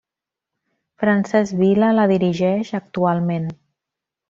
Francesc Vila la dirigeix actualment.